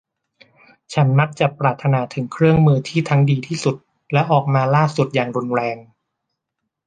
ฉันมักจะปรารถนาถึงเครื่องมือที่ทั้งดีที่สุดและออกมาล่าสุดอย่างรุนแรง